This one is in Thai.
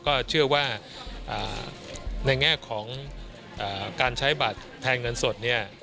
ก็เชื่อว่าในแง่ของการใช้บัตรแทนเงินสดเนี่ย